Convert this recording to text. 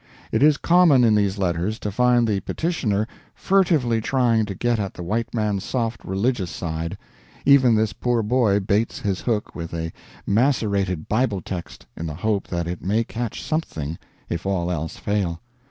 It is common in these letters to find the petitioner furtively trying to get at the white man's soft religious side; even this poor boy baits his hook with a macerated Bible text in the hope that it may catch something if all else fail.